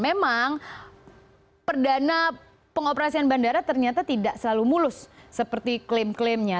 memang perdana pengoperasian bandara ternyata tidak selalu mulus seperti klaim klaimnya